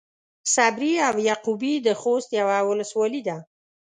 صبري او يعقوبي د خوست يوۀ ولسوالي ده.